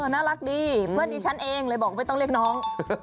น่ารักดีเพื่อนดิฉันเองเลยบอกไม่ต้องเรียกน้อง